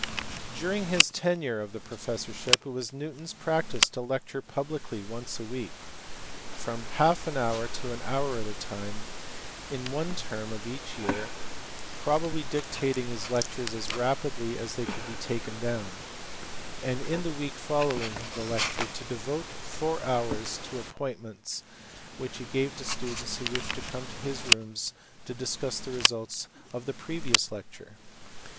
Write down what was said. During his tenure of the professorship, it was Newton s practice to lecture publicly once a week, for from half an hour to an hour at a time, in one term of each year, probably dictating his lectures as rapidly as they could be taken down ; and in the week following the lecture to devote four hours to appointments which he gave to students who wished to come to his rooms to discuss the results of the previous lecture.